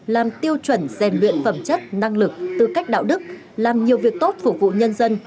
làm tiêu chuẩn rèn luyện phẩm chất năng lực tư cách đạo đức làm nhiều việc tốt phục vụ nhân dân